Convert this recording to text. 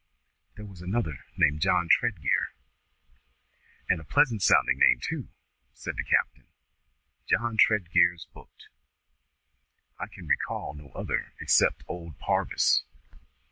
"There was another named John Tredgear." "And a pleasant sounding name, too," said the captain; "John Tredgear's booked." "I can recall no other except old Parvis."